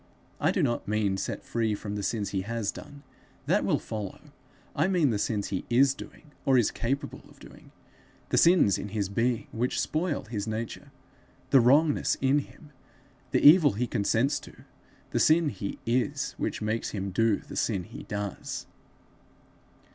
I do not mean set free from the sins he has done: that will follow; I mean the sins he is doing, or is capable of doing; the sins in his being which spoil his nature the wrongness in him the evil he consents to; the sin he is, which makes him do the sin he does.